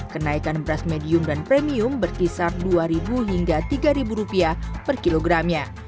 kenaikan beras medium dan premium berkisar rp dua hingga rp tiga per kilogramnya